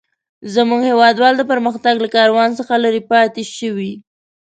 زموږ هيوادوال د پرمختګ له کاروان څخه لري پاته شوي.